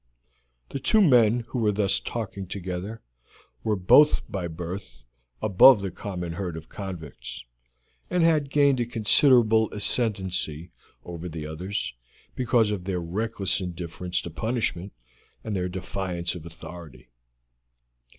The two men who were thus talking together were both by birth above the common herd of convicts, and had gained a considerable ascendency over the others because of their reckless indifference to punishment and their defiance of authority.